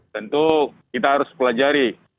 tentu kita harus pelajari